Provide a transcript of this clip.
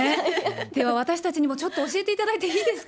では私たちにもちょっと教えていただいていいですか。